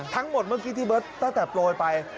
ทั้งหมดเมื่อกี้ที่เบิร์ตตั้งแต่โปรยไป